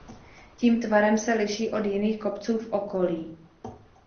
Tím tvarem se liší od jiných kopců v okolí.